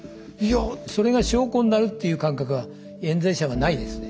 それが証拠になるっていう感覚はえん罪者はないですね。